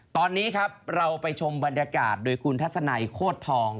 ตอนนี้ครับเราไปชมบรรยากาศโดยคุณทัศนัยโคตรทอง